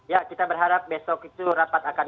ya kita berharap besok itu rapat akan